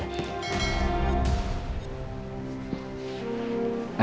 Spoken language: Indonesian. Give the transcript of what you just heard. ada yang bawa